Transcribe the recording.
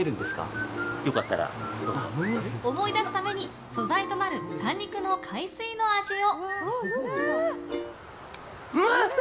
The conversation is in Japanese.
思い出すために素材となる三陸の海水の味を。